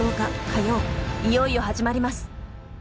いよいよ始まります。